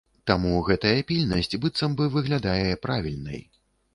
Таму гэтая пільнасць быццам бы выглядае правільнай.